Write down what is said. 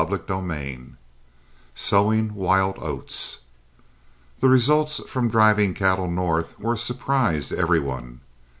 CHAPTER VI SOWING WILD OATS The results from driving cattle north were a surprise to every one.